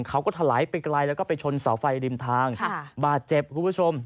ถลายไปไกลแล้วก็ไปชนเสาไฟริมทางบาดเจ็บคุณผู้ชม